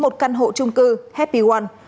một căn hộ trung cư happy one